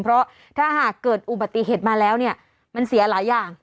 เพราะถ้าหากเกิดอุบัติเหตุมาแล้วเนี่ยมันเสียหลายอย่าง